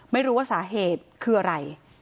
ไม่รู้ว่าสาเหตุคืออะไร